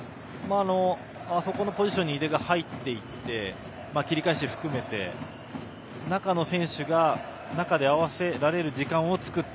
あそこのポジションに井出が入っていって切り替えし含めて中の選手が中で中で合わせられる時間を作って。